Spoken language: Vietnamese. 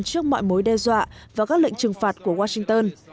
trước mọi mối đe dọa và các lệnh trừng phạt của washington